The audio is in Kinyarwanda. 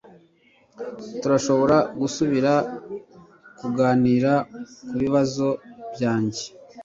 Turashobora gusubira kuganira kubibazo byanjye?